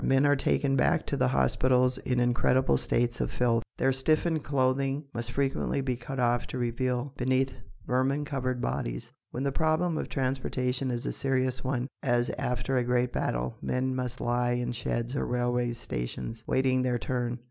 Men are taken back to the hospitals in incredible states of filth. Their stiffened clothing must frequently be cut off to reveal, beneath, vermin covered bodies. When the problem of transportation is a serious one, as after a great battle, men must lie in sheds or railway stations, waiting their turn.